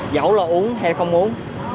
dẫu là uống hay không uống